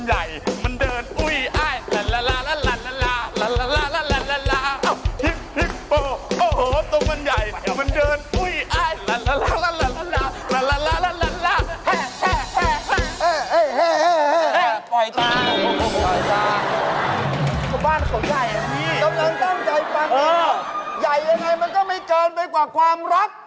ใหญ่ยังไงมันก็ไม่เกินไปกว่าความรัก